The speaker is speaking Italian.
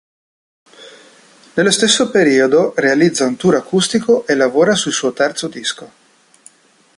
Nello stesso periodo realizza un tour acustico e lavora sul suo terzo disco.